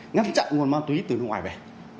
ngăn chặn nguồn ma túy từ nước ngoài về